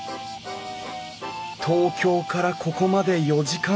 東京からここまで４時間余り。